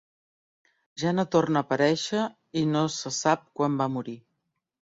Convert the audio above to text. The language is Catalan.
Ja no torna a aparèixer i no se sap quan va morir.